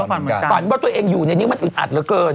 ฝันว่าตัวเองอยู่ในนิ้วมันอึดอัดเหลือเกิน